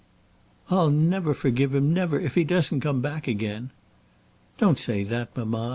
"I'll never forgive him, never, if he doesn't come back again." "Don't say that, mamma.